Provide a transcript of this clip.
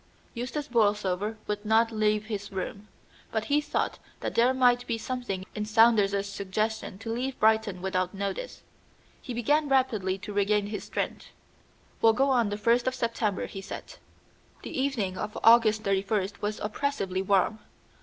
Eustace Borlsover would not leave his room, but he thought that there might be something in Saunders's suggestion to leave Brighton without notice. He began rapidly to regain his strength. "We'll go on the first of September," he said. The evening of August 31st was oppressively warm.